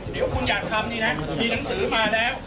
เดี๋ยวคุณอยากทำนี่นะมีหนังสือมาแล้ว